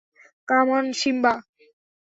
Come on, Simba!